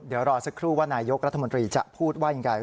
เดี๋ยวรอสักครู่ว่านายกรัฐมนตรีจะพูดว่าอย่างไร